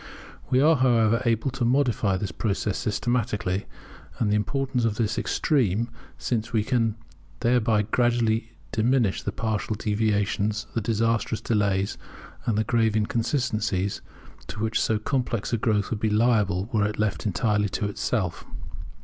We are, however, able to modify this process systematically; and the importance of this is extreme, since we can thereby greatly diminish the partial deviations, the disastrous delays, and the grave inconsistencies to which so complex a growth would be liable were it left entirely to itself.